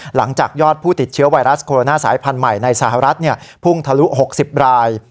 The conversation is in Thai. หลังจากยอดผู้ติดเชื้อไวรัสโคโรนาสายพันธุ์ใหม่ในสหรัฐพุ่งทะลุ๖๐ราย